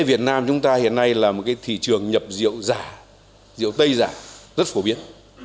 việt nam chúng ta hiện nay là một thị trường nhập rượu giả rượu tây giả rất phổ biến